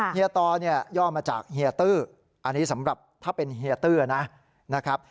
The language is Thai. เฮียตอเนี่ยย่อมาจากเฮียตื้ออันนี้สำหรับถ้าเป็นเฮียตื้อนะครับ